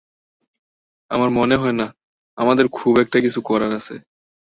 আমার মনে হয় না, আমাদের খুব একটা কিছু করার আছে।